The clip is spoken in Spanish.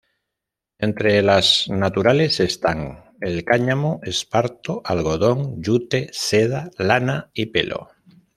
Entre las naturales están el cáñamo, esparto, algodón, yute, seda, lana, y pelo.